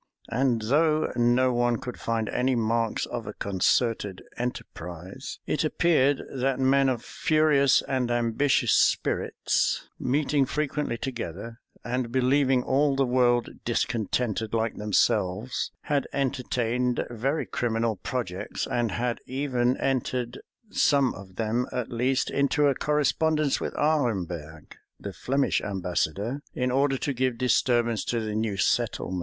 [] And though no one could find any marks of a concerted enterprise, it appeared that men of furious and ambitious spirits, meeting frequently together, and believing all the world discontented like themselves, had entertained very criminal projects, and had even entered, some of them at least, into a correspondence with Aremberg, the Flemish ambassador in order to give disturbance to the new settlement.